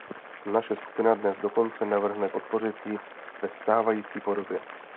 Naše skupina dnes dokonce navrhne podpořit ji ve stávající podobě.